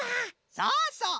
そうそう。